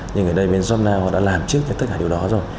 nhưng ở đây bên jobnow họ đã làm trước cho tất cả điều đó rồi